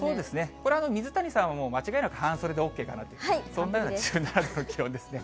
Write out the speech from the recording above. これ、水谷さん、間違いなく半袖でＯＫかなという、そんなような気温ですね。